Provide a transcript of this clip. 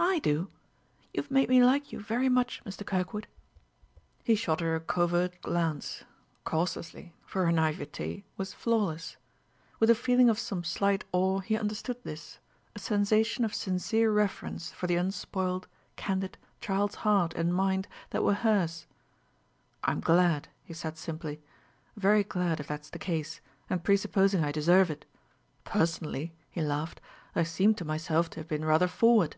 "I do ... You have made me like you very much, Mr. Kirkwood." He shot her a covert glance causelessly, for her naiveté was flawless. With a feeling of some slight awe he understood this a sensation of sincere reverence for the unspoiled, candid, child's heart and mind that were hers. "I'm glad," he said simply; "very glad, if that's the case, and presupposing I deserve it. Personally," he laughed, "I seem to myself to have been rather forward."